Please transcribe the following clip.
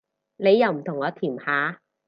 你又唔同我甜下